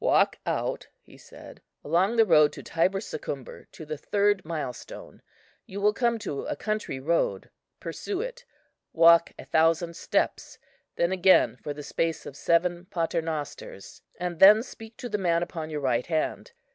"Walk out," he said, "along the road to Thibursicumbur to the third milestone, you will come to a country road; pursue it; walk a thousand steps; then again for the space of seven paternosters; and then speak to the man upon your right hand.